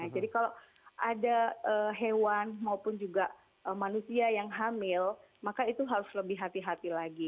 jadi kalau ada hewan maupun juga manusia yang hamil maka itu harus lebih hati hati lagi